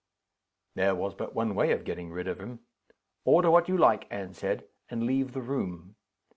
There was but one way of getting rid of him: "Order what you like," Anne said, "and leave the room."